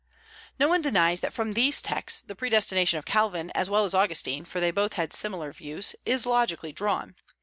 No one denies that from these texts the Predestination of Calvin as well as Augustine for they both had similar views is logically drawn.